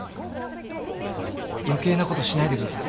余計なことしないでください。